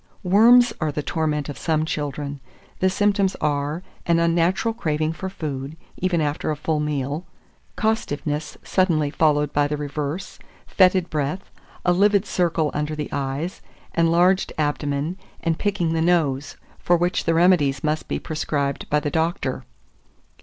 2409. Worms are the torment of some children: the symptoms are, an unnatural craving for food, even after a full meal; costiveness, suddenly followed by the reverse; fetid breath, a livid circle under the eyes, enlarged abdomen, and picking the nose; for which the remedies must be prescribed by the doctor.